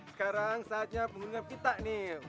sekarang saatnya penghitungan kita nih